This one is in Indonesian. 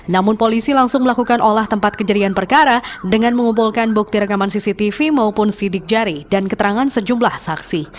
namun polisi langsung melakukan olah tempat kejadian perkara dengan mengumpulkan bukti rekaman cctv maupun sidik jari dan keterangan sejumlah saksi